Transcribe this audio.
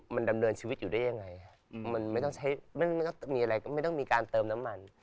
มันดำเนินชีวิตอยู่ได้ยังไงมันไม่ต้องมีการเติมน้ำมัน